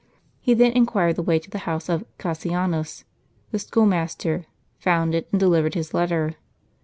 He then inquired the way to the house of Cassianus, the school master, found it, and delivered his letter.